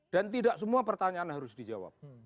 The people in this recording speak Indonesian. dan tidak semua pertanyaan harus dijawab